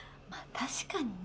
確かにね。